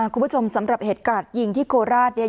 คุณผู้ชมสำหรับเหตุการณ์ยิงที่โคราชเนี่ย